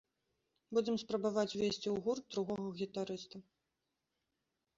Будзем спрабаваць ўвесці ў гурт другога гітарыста.